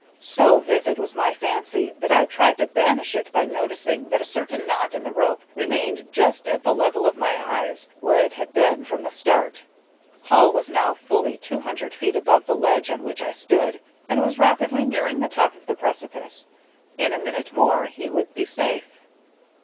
So vivid was my fancy that I tried to banish it by noticing that a certain knot in the rope remained just at the level of my eyes, where it had been from the start. Hall was now fully two hundred feet above the ledge on which I stood, and was rapidly nearing the top of the precipice. In a minute more he would be safe.